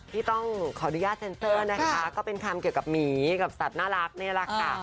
ที่ต้องขออนุญาตเซ็นเซอร์นะคะก็เป็นคำเกี่ยวกับหมีกับสัตว์น่ารักนี่แหละค่ะ